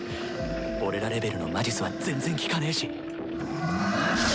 俺らレベルの魔術は全然効かねぇし。